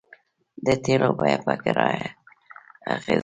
د تیلو بیه په کرایه اغیز لري